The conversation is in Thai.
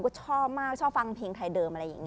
ก็ชอบมากชอบฟังเพลงไทยเดิมอะไรอย่างนี้